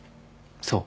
そう。